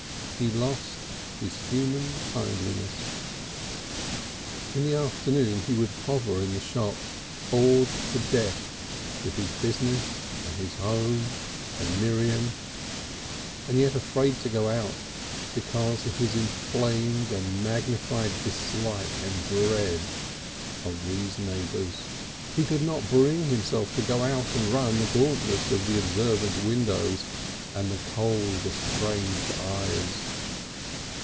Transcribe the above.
He lost his human kindliness. In the afternoons he would hover in the shop bored to death with his business and his home and Miriam, and yet afraid to go out because of his inflamed and magnified dislike and dread of these neighbours. He could not bring himself to go out and run the gauntlet of the observant windows and the cold estranged eyes.